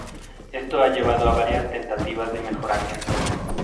Esto ha llevado a varias tentativas de mejoramiento.